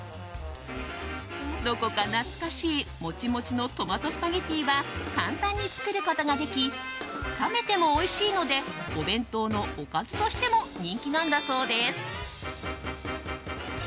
どこか懐かしいモチモチのトマトスパゲッティは簡単に作ることができ冷めてもおいしいのでお弁当のおかずとしても人気なんだそうです。